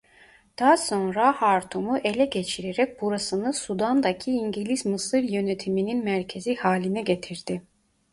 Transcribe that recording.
Daha sonra Hartum'u ele geçirerek burasını Sudan'daki İngiliz-Mısır yönetiminin merkezi haline getirdi.